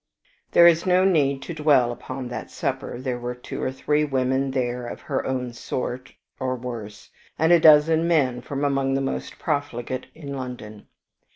"There is no need to dwell upon that supper. There were two or three women there of her own sort, or worse, and a dozen men from among the most profligate in London.